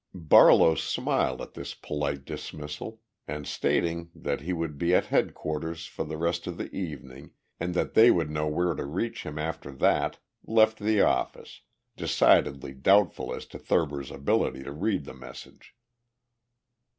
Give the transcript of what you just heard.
Barlow smiled at this polite dismissal and, stating that he would be at headquarters for the rest of the evening and that they would know where to reach him after that, left the office decidedly doubtful as to Thurber's ability to read the message.